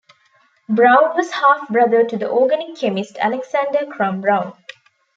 Brown was half-brother to the organic chemist Alexander Crum Brown.